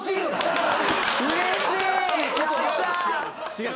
違う。